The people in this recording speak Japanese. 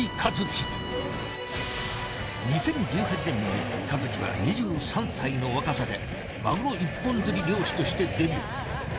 ２０１８年に和喜は２３歳の若さでマグロ一本釣り漁師としてデビュー。